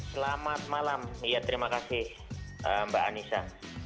selamat malam ya terima kasih mbak anissa